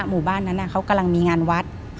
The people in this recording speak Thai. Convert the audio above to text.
หมู่บ้านนั้นเขากำลังมีงานวัด